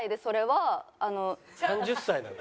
３０歳なの？